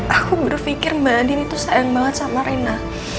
aku berpikir mbak andin itu sayang banget sama rena